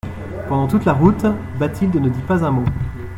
Pendant toute la route, Bathilde ne dit pas un mot.